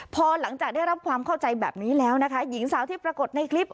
พอหลังจากได้รับความเข้าใจแบบนี้แล้วนะคะหญิงสาวที่ปรากฏในคลิป